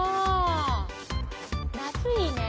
夏いいね。